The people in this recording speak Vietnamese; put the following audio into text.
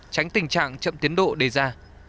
tránh tình trạng chậm tiến độ đề ra